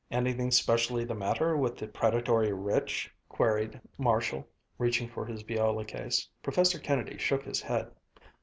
"Anything specially the matter with the predatory rich?" queried Marshall, reaching for his viola case. Professor Kennedy shook his head.